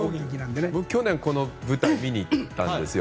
去年、僕この舞台見に行ったんですよ。